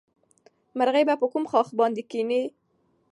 مرغۍ به په کوم ښاخ باندې کېني؟